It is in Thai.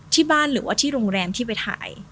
ที่บ้านหรือว่าที่โรงแรมที่ไปถ่าย